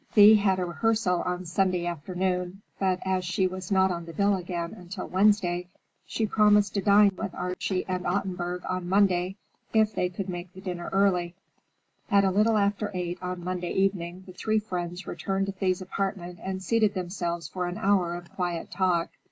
Thea had a rehearsal on Sunday afternoon, but as she was not on the bill again until Wednesday, she promised to dine with Archie and Ottenburg on Monday, if they could make the dinner early. At a little after eight on Monday evening, the three friends returned to Thea's apartment and seated themselves for an hour of quiet talk.